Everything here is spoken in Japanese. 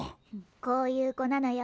こういうこなのよ。